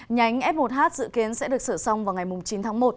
nhánh f một h dự kiến sẽ được sửa xong vào ngày chín tháng một